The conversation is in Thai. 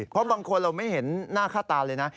เพราะบางคนเราไม่เห็นหน้าค่าตาเลยนะ